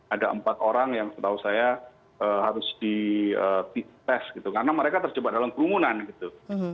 ada empat orang yang setahu saya harus dites gitu karena mereka terjebak dalam kerumunan gitu